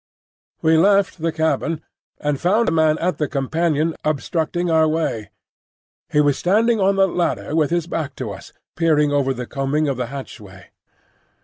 We left the cabin and found a man at the companion obstructing our way. He was standing on the ladder with his back to us, peering over the combing of the hatchway.